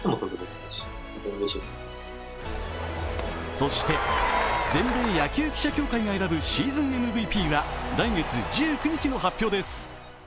そして、全米野球記者協会が選ぶシーズンＭＶＰは来月１９日の発表です。